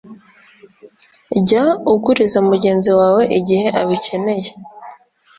jya uguriza mugenzi wawe igihe abikeneye